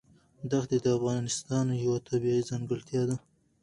دښتې د افغانستان یوه طبیعي ځانګړتیا ده.